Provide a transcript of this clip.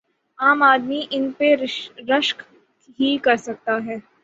عام آدمی ان پہ رشک ہی کر سکتا ہے۔